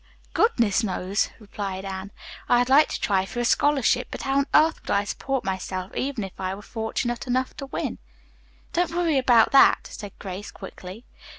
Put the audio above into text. "Goodness knows," replied Anne. "I'd like to try for a scholarship, but how on earth would I support myself even if I were fortunate enough to win?" "Don't worry about that," said Grace quickly.